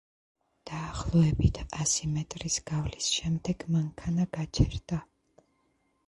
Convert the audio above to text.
დაახლოებით ასი მეტრის გავლის შემდეგ, მანქანა გაჩერდა.